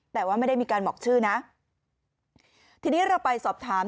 แต่ว่าไม่ได้มีการบอกชื่อนะทีนี้เราไปสอบถาม